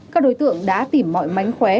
các đối tượng đã tìm mọi mánh khóe